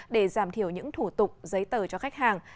để giảm thiểu những thủ tục giấy tờ cho khách hàng